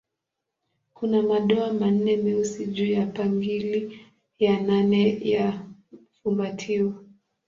Kuna madoa manne meusi juu ya pingili ya nane ya fumbatio.